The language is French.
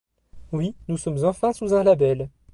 Oui, nous sommes enfin sous un label!